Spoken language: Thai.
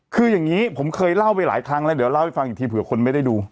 คืออย่างนี้ผมเคยเล่าไปหลายครั้งแล้วเดี๋ยวเล่าให้ฟังอีกทีเผื่อคนไม่ได้ดู